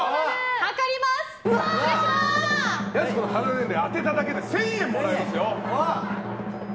やす子の肌年齢を当てただけで１０００円もらえますよ。